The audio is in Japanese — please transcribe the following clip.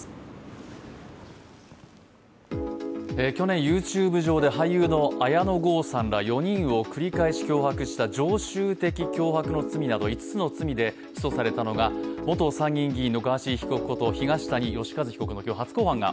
去年ＹｏｕＴｕｂｅ上で俳優の綾野剛さんらを繰り返し脅迫した常習的脅迫の罪など５つの罪で起訴されたのが元参議院議員のガーシー被告こと東谷義和被告の初公判が